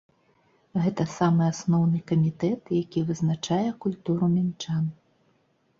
Гэта самы асноўны камітэт, які вызначае культуру мінчан.